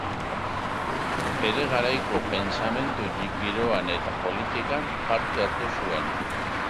Bere garaiko pentsamendu-giroan eta politikan parte hartu zuen.